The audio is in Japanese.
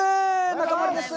中丸です。